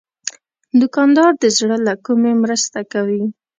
دوکاندار د زړه له کومي مرسته کوي.